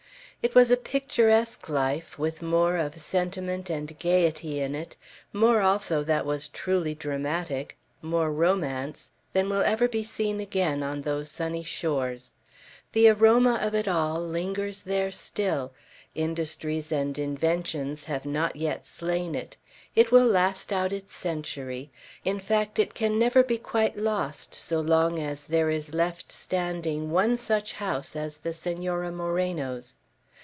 It was a picturesque life, with more of sentiment and gayety in it, more also that was truly dramatic, more romance, than will ever be seen again on those sunny shores. The aroma of it all lingers there still; industries and inventions have not yet slain it; it will last out its century, in fact, it can never be quite lost, so long as there is left standing one such house as the Senora Moreno's.